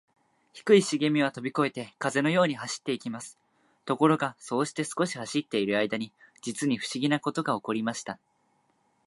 低いしげみはとびこえて、風のように走っていきます。ところが、そうして少し走っているあいだに、じつにふしぎなことがおこりました。